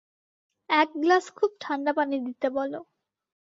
এক গ্লাস খুব ঠাণ্ডা পানি দিতে বল।